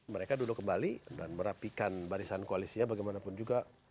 mereka duduk kembali dan merapikan barisan koalisinya bagaimanapun juga